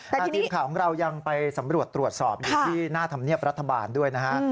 แต่ทีมข่าวของเรายังไปสำรวจตรวจสอบอยู่ที่หน้าธรรมเนียบรัฐบาลด้วยนะฮะ